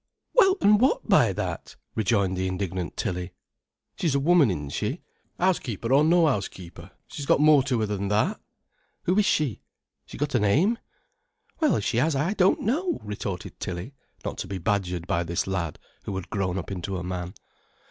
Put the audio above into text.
"Well, an' what by that?" rejoined the indignant Tilly. "She's a woman, isn't she, housekeeper or no housekeeper? She's got more to her than that! Who is she—she's got a name?" "Well, if she has, I don't know," retorted Tilly, not to be badgered by this lad who had grown up into a man.